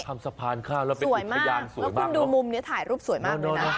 ทำสะพานข้าวแล้วเป็นอุทยานสวยมากคุณดูมุมนี้ถ่ายรูปสวยมากเลยนะ